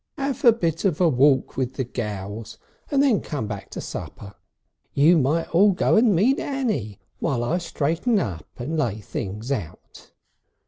"'Ave a bit of a walk with the gals, and then come back to supper. You might all go and meet Annie while I straighten up, and lay things out."